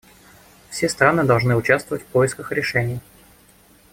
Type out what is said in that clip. Все страны должны участвовать в поисках решений.